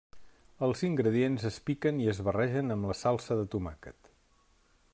Els ingredients es piquen i es barregen amb la salsa de tomàquet.